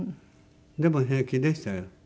でも平気でしたよ。